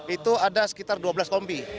itu ada sekitar dua belas kombi